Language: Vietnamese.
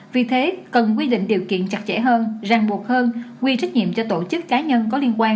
vì thế cần quy định điều kiện chặt chẽ hơn ràng buộc hơn quy trách nhiệm cho tổ chức cá nhân có liên quan